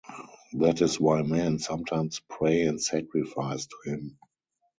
That is why men sometimes pray and sacrifice to him.